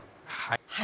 はい。